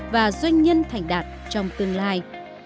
và doanh nhân thành đạt trong tương lai